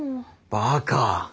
バカ！